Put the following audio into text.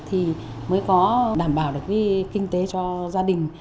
thì mới có đảm bảo được cái kinh tế cho gia đình